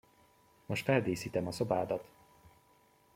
Most feldíszítem a szobádat!